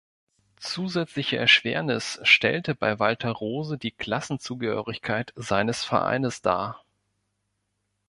Zusätzliche Erschwernis stellte bei Walter Rose die Klassenzugehörigkeit seines Vereines dar.